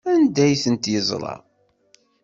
Anda ay ten-yeẓra?